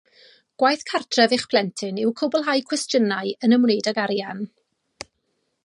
Gwaith cartref eich plentyn yw cwblhau cwestiynau yn ymwneud ag arian